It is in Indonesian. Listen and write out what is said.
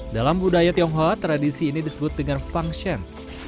dalam budaya tionghoa tradisi ini disebut dengan function